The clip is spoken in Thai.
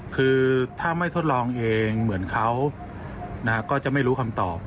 คือถ้าไม่ทดลองเองเหมือนเขาก็จะไม่รู้คำตอบ